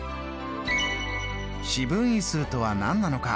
四分位数とは何なのか